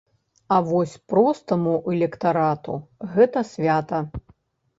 А вось простаму электарату гэта свята.